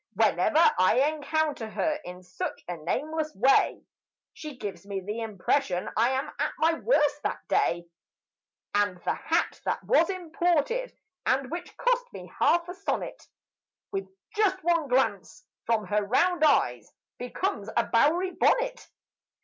Whenever I encounter her, in such a nameless way She gives me the impression I am at my worst that day, And the hat that was imported (and that cost me half a sonnet) With just one glance from her round eyes becomes a Bowery bonnet.